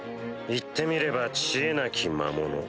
いってみれば知恵なき魔物。